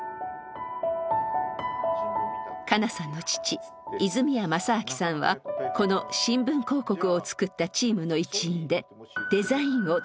香奈さんの父泉屋政昭さんはこの新聞広告を作ったチームの一員でデザインを担当していました。